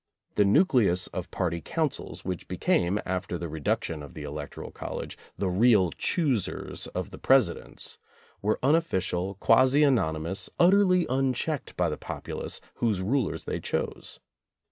The nucleus of party councils which became, after the reduction of the Electoral College, the real choosers of the Presi dents, were unofficial, quasi anonymous, utterly unchecked by the populace whose rulers they chose.